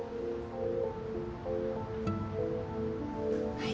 はい。